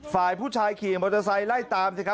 ฝ่ายผู้ชายขี่มอเตอร์ไซค์ไว้ตามแทรก